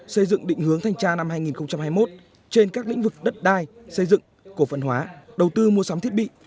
xây dựng định hướng thanh tra năm hai nghìn hai mươi một trên các lĩnh vực đất đai xây dựng cổ phần hóa đầu tư mua sắm thiết bị